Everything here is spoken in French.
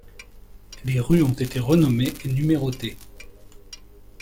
Les rues ont été renommées et numérotées.